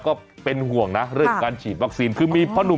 ก็เป็นห่วงนะเรื่องการฉีดวัคซีน